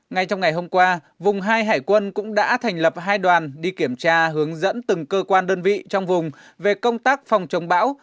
ngay trong ngày hôm qua vùng hai hải quân cũng đã thành lập hai đoàn đi kiểm tra hướng dẫn từng cơ quan đơn vị trong vùng về công tác phòng chống bão